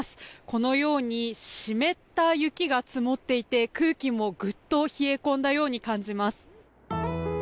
このように湿った雪が積もっていて空気もグッと冷え込んだように感じます。